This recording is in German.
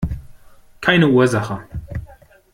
Keine Ursache!